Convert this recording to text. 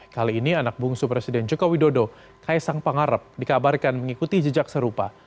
kali ini anak bungsu presiden joko widodo kaisang pangarep dikabarkan mengikuti jejak serupa